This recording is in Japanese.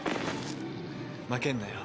負けんなよ